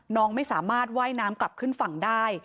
น้องไม่สามารถว่ายน้ำกลับขึ้นฝั่งได้